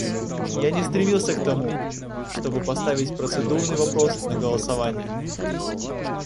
Я не стремился к тому, чтобы поставить процедурный вопрос на голосование.